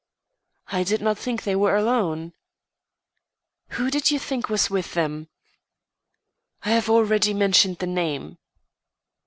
"I did not think they were alone." "Who did you think was with them?" "I have already mentioned the name."